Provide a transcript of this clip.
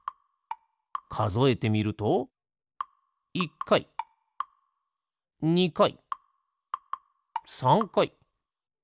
かぞえてみると１かい２かい３かい４